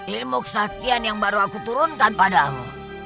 ilmu kesakian yang baru aku turunkan padamu